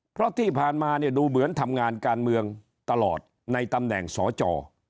เพราะที่ผ่านมาเนี่ยดูเหมือนทำงานการเมืองตลอดในตำแหน่งสจ